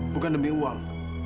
bukan demi uang